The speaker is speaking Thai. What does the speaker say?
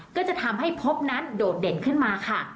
ก็จะทำให้พบนั้นโดดเด่นขึ้นมาค่ะ